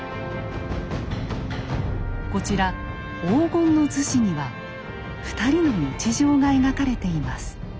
こちら「黄金の厨子」には２人の日常が描かれています。